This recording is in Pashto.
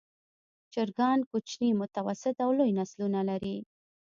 چرګان کوچني، متوسط او لوی نسلونه لري.